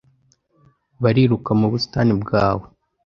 Bariruka mu busitani bwawe